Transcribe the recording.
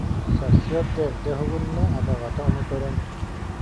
Сарсыарда эрдэ уһугунна, абаҕата ону көрөн: